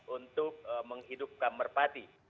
untuk menghidupkan merpati